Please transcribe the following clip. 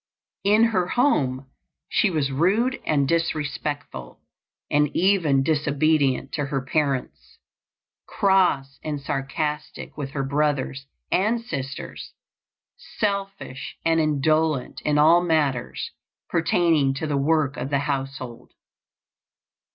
In her home she was rude and disrespectful and even disobedient to her parents; cross and sarcastic with her brothers and sisters; selfish and indolent in all matters pertaining to the work of the household.